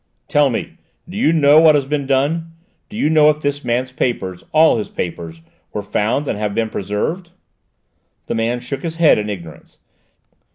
"Tell me, do you know what has been done? Do you know if this man's papers, all his papers, were found and have been preserved?" The man shook his head in ignorance.